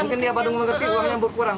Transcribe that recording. mungkin dia baru mengerti uangnya berkurang